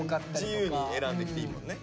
自由に選んできていいもんね。